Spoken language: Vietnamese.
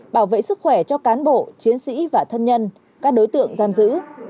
bảo vệ sức khỏe cho cán bộ chiến sĩ và thân nhân các đối tượng giam giữ